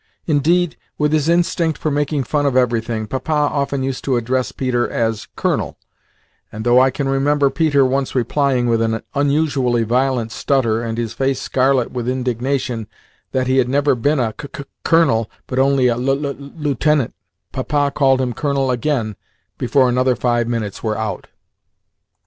Indeed, with his instinct for making fun of everything, Papa often used to address Peter as "Colonel;" and though I can remember Peter once replying, with an unusually violent stutter and his face scarlet with indignation, that he had never been a c c colonel, but only a l l lieutenant, Papa called him "Colonel" again before another five minutes were out.